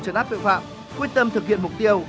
trấn áp tội phạm quyết tâm thực hiện mục tiêu